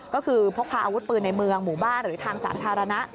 ก็คือพกพาอาวุธปืนในเมืองหมู่บ้านหรือทางสาธารณะ